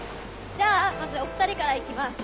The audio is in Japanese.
じゃあまずお二人からいきます。